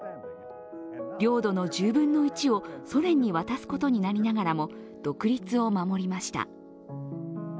領土の１０分の１をソ連に渡すことになりながらも独立を守りました。